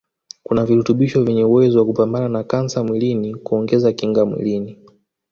kuna virutubisho vyenye uwezo wa kupambana na kansa mwilini kuongeza kinga mwilini